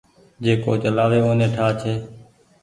جيڪو چلآوي اوني ٺآ ڇي۔